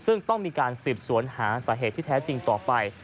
ซึ่งต้องมีการสืบสวนหาสาเหตุที่แท้จริงต่อไป